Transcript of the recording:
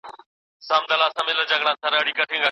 د اوبو سرچینې باید مدیریت سي.